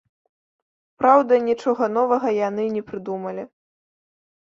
Праўда, нічога новага яны не прыдумалі.